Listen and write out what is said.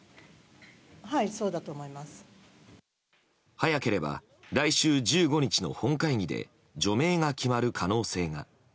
早ければ来週１５日の本会議で除名が決まる可能性が。